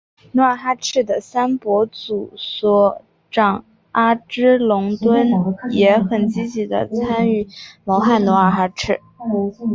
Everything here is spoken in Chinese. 努尔哈赤的三伯祖索长阿之子龙敦也很积极地参与谋害努尔哈赤。